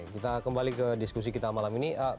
kita kembali ke diskusi kita malam ini